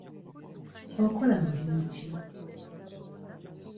Okola mulimu ki?